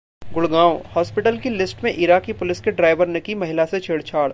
Gurgaon hospital की lift में Iraqi police के ड्राइवर ने की महिला से छेड़छाड़